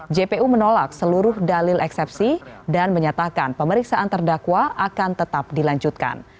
jpu menolak seluruh dalil eksepsi dan menyatakan pemeriksaan terdakwa akan tetap dilanjutkan